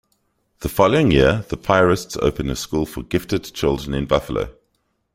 The following year, the Piarists opened a School for Gifted Children in Buffalo.